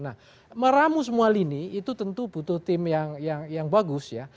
nah meramu semua lini itu tentu butuh tim yang bagus ya